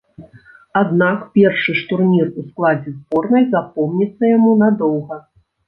Аднак першы ж турнір у складзе зборнай запомніцца яму надоўга.